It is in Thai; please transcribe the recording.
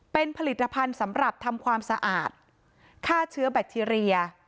เป็นผลิตภัณฑ์สำหรับทำความสะอาดฆ่าเชื้อแบคทีเรีย